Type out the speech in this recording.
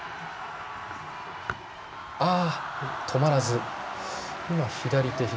止まらず。